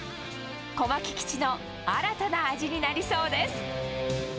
小牧基地の新たな味になりそうです。